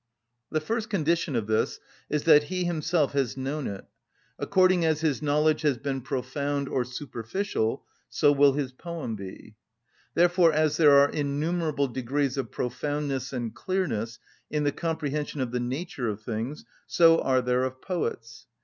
The first condition of this is that he himself has known it; according as his knowledge has been profound or superficial so will his poem be. Therefore, as there are innumerable degrees of profoundness and clearness in the comprehension of the nature of things, so are there of poets.